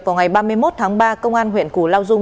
vào ngày ba mươi một tháng ba công an huyện củ lao dung